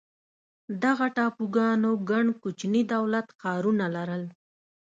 دغه ټاپوګانو ګڼ کوچني دولت ښارونه لرل.